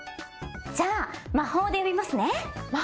じゃあ魔法で呼びますね。